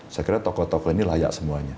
saya kira tokoh tokoh ini layak semuanya